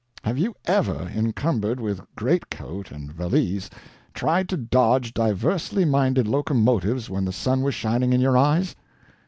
Have you ever, encumbered with great coat and valise, tried to dodge diversely minded locomotives when the sun was shining in your eyes?